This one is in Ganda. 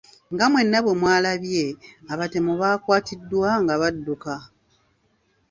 Nga mwenna bwe mwalabye, abatemu baakwatiddwa nga badduka.